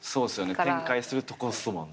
展開するところっすもんね。